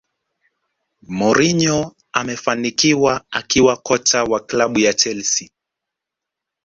Mourinho amefanikiwa akiwa kocha wa klabu ya chelsea